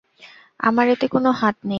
আমার এতে কোনো হাত নেই।